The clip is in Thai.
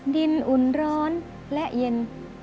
อุ่นร้อนและเย็น